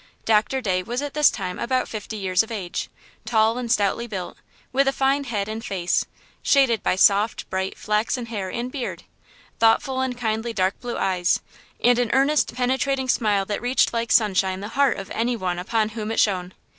Dr. Day was at this time about fifty years of age, tall and stoutly built, with a fine head and face, shaded by soft, bright flaxen hair and beard: thoughtful and kindly dark blue eyes, and an earnest, penetrating smile that reached like sunshine the heart of any one upon whom it shone.